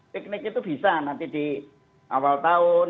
piknik itu bisa nanti di awal tahun